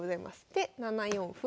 で７四歩。